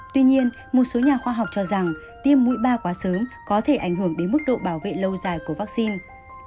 tuy nhiên một số nhà khoa học cho rằng tiêm mũi ba quá sớm có thể ảnh hưởng đến mức độ bảo vệ lâu dài của vaccine